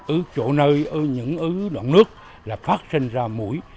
ở chỗ nơi ở những đoạn nước là phát sinh ra mũi